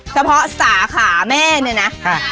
เฉพาะสาขาแม่เนี่ยนะ